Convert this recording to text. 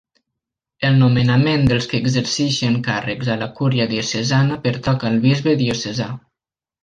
El nomenament dels qui exerceixen càrrecs a la Cúria Diocesana pertoca al bisbe diocesà.